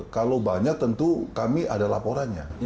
kalau banyak tentu kami ada laporannya